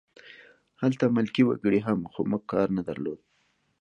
هلته ملکي وګړي هم وو خو موږ کار نه درلود